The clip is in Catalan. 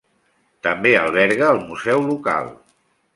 També alberga el museu local.